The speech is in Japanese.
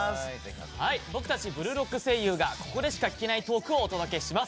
僕たち「ブルーロック」声優がここでしか聞けないトークをお届けします。